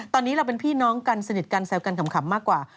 ตอนนี้เราเป็นพี่น้องกันสนิทกันแซวกันขำมากกว่า